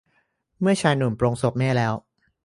เมื่อชายหนุ่มปลงศพแม่แล้ว